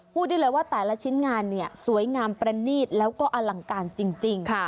พูดได้เลยว่าแต่ละชิ้นงานเนี่ยสวยงามประนีตแล้วก็อลังการจริง